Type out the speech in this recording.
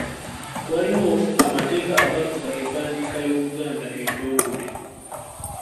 Waliwo amateeka agafuga empandiika y’Oluganda entongole.